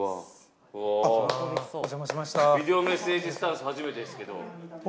ビデオメッセージスタンス、初めてですけれども。